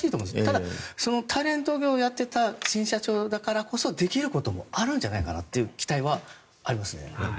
ただ、その大変なことをやっていた新社長だからこそできることもあるんじゃないかなという期待はありますね。